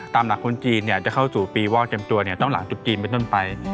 ตามหลักคุณจีนเนี่ยจะเข้าสู่ปีวอกเต็มตัวเนี่ยต้องหลังจุดจีนไปทั่วนไป